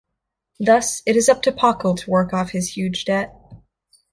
Thus, it is up to Pockle to work off his huge debt.